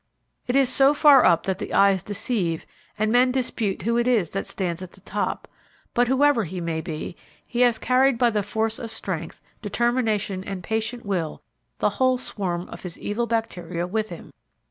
It is so far up that the eyes deceive and men dispute who it is that stands at the top, but, whoever he may be, he has carried by the force of strength, determination and patient will the whole swarm of his evil bacteria with him.